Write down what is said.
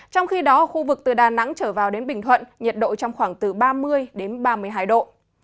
trong khi đó khu vực từ đà nẵng trở vào đến bình thuận nhiệt độ trong khoảng từ ba mươi đến ba mươi hai độ